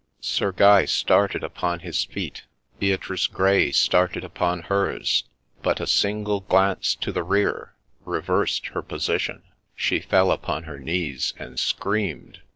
Sir Guy started upon his feet ; Beatrice Grey started upon hers : but a single glance to the rear reversed her position, — she fell upon her knees and screamed.